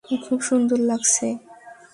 খুব সুন্দর লাগছে!